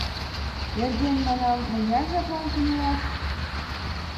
Эрден, манам, мыняр жаплан кынелат?